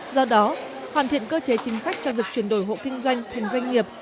do đó hoàn thiện cơ chế chính sách cho việc chuyển đổi hộ kinh doanh thành doanh nghiệp